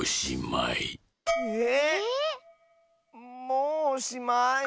もうおしまい？